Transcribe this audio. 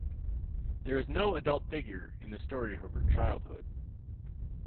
There is no adult figure in the story of her childhood.